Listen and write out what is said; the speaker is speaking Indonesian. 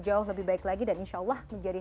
jauh lebih baik lagi dan insya allah menjadi